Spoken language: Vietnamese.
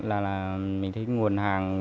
là mình thấy nguồn hàng